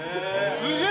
すげえ。